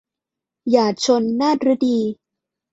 หยาดชล - นาถฤดี